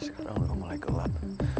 sekarang udah mulai gelap